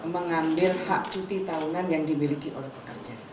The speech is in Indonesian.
mengambil hak cuti tahunan yang dimiliki oleh pekerja